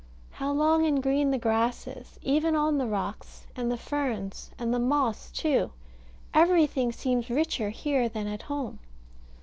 How long and green the grass is, even on the rocks, and the ferns, and the moss, too. Everything seems richer here than at home.